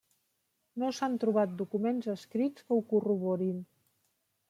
No s'han trobat documents escrits que ho corroborin.